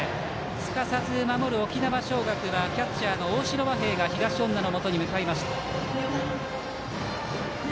すかさず、守る沖縄尚学はキャッチャーの大城和平が東恩納のもとに向かいました。